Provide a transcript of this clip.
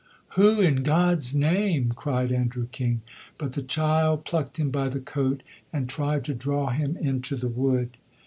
"Who in God's name ?" cried Andrew King; but the child plucked him by the coat and tried to draw him into the wood.